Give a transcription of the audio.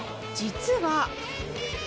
実は。